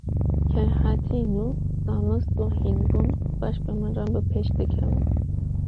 Kêrhatiyên nû, zanist û hînbûn, baş bi min re bi pêş dikevin.